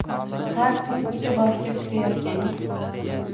Xar kun kucha boshida kutayotganiz